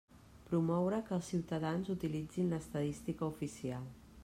Promoure que els ciutadans utilitzin l'estadística oficial.